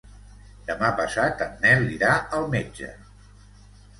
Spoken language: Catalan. Demà passat en Nel irà al metge.